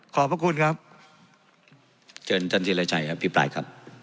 ขอบพระคุณครับเจอจนทีละชัยครับพี่ปลายครับ